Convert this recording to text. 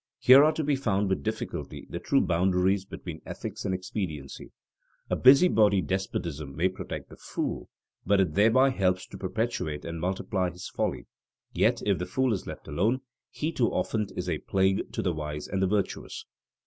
Here are to be found with difficulty the true boundaries between ethics and expediency. A busybody despotism may protect the fool, but it thereby helps to perpetuate and multiply his folly; yet if the fool is left alone, he too often is a plague to the wise and the virtuous.